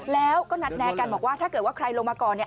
แล้วก็นัดแนะกันบอกว่าถ้าเกิดว่าใครลงมาก่อนเนี่ย